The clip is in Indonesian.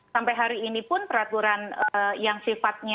sampai hari ini pun peraturan yang sifatnya